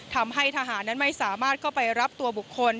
ทำให้ทหารนั้นไม่สามารถเข้าไปรับตัวบุคคล